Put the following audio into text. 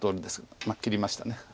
切りました。